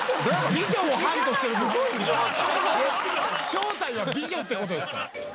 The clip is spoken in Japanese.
正体は美女って事ですか？